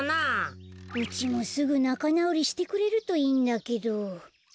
うちもすぐなかなおりしてくれるといいんだけど。